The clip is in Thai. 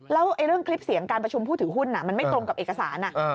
แล้วเรื่องคลิปเสียงการประชุมผู้ถือหุ้นมันไม่ตรงกับเอกสาร